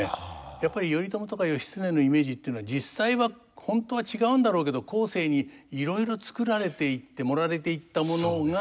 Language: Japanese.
やっぱり頼朝とか義経のイメージっていうのは実際は本当は違うんだろうけど後世にいろいろ作られていって盛られていったものが。